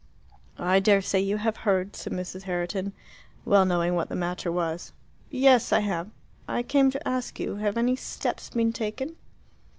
"I dare say you have heard," said Mrs. Herriton, well knowing what the matter was. "Yes, I have. I came to ask you; have any steps been taken?"